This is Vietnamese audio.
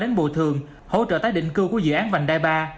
đến bộ thường hỗ trợ tái định cư của dự án vành đai ba